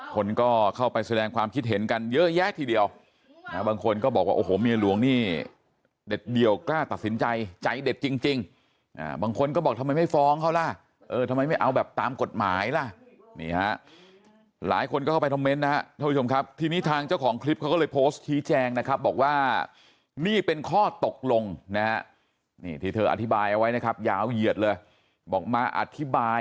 คนก็เข้าไปแสดงความคิดเห็นกันเยอะแยะทีเดียวบางคนก็บอกว่าโอ้โหเมียหลวงนี่เด็ดเดี่ยวกล้าตัดสินใจใจเด็ดจริงบางคนก็บอกทำไมไม่ฟ้องเขาล่ะเออทำไมไม่เอาแบบตามกฎหมายล่ะนี่ฮะหลายคนก็เข้าไปคอมเมนต์นะฮะท่านผู้ชมครับทีนี้ทางเจ้าของคลิปเขาก็เลยโพสต์ชี้แจงนะครับบอกว่านี่เป็นข้อตกลงนะฮะนี่ที่เธออธิบายเอาไว้นะครับยาวเหยียดเลยบอกมาอธิบาย